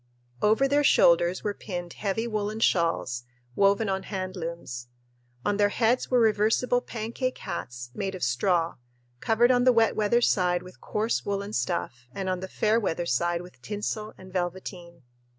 Over their shoulders were pinned heavy woolen shawls, woven on hand looms. On their heads were reversible "pancake" hats made of straw, covered on the wet weather side with coarse woolen stuff and on the fair weather side with tinsel and velveteen.